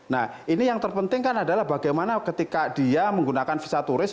nah ini yang terpenting kan adalah bagaimana ketika dia menggunakan visa turis